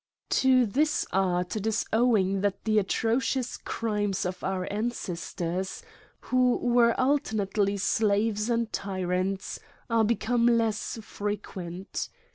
To this art it is owing that the atrocious crimes of our ancestors, who were alternately slaves and tyrants, are become less frequent.